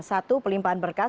satu pelimpaan berkas